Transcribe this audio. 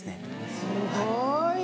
すごい。